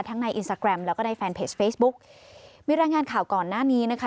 ในอินสตาแกรมแล้วก็ในแฟนเพจเฟซบุ๊กมีรายงานข่าวก่อนหน้านี้นะคะ